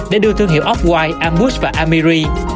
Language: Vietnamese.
để đưa thương hiệu off white ambush và amiri